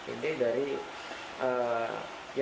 ini dari kainnya